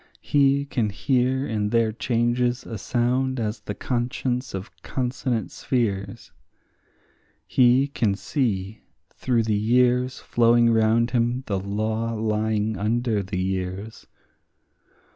He can hear in their changes a sound as the conscience of consonant spheres; He can see through the years flowing round him the law lying under the years.